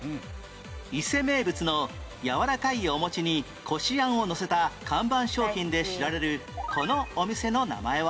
伊勢名物のやわらかいお餅にこし餡をのせた看板商品で知られるこのお店の名前は？